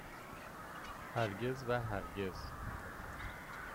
هرگز و هرگز